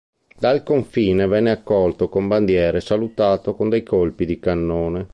Dal confine venne accolto con bandiere e salutato con dei colpi di cannone.